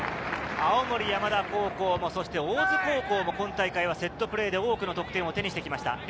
青森山田高校も大津高校も今大会はセットプレーで多くの得点を手にしてきました。